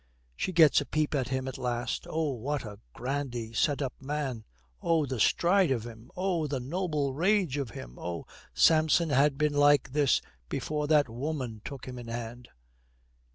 She gets a peep at him at last. Oh, what a grandly set up man! Oh, the stride of him. Oh, the noble rage of him. Oh, Samson had been like this before that woman took him in hand.